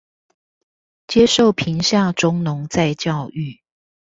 接受貧下中農再教育